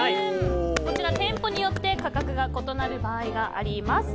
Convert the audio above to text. こちら店舗によって価格が異なる場合があります。